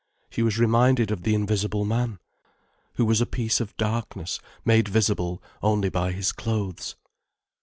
She was reminded of the Invisible Man, who was a piece of darkness made visible only by his clothes.